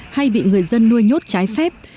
hay bị người dân nuôi nhốt trái phép